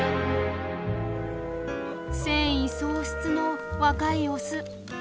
戦意喪失の若いオス。